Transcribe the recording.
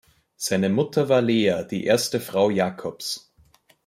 Seine Mutter war Lea, die erste Frau Jakobs.